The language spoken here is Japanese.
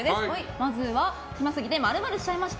まずは、暇すぎて○○しちゃいました！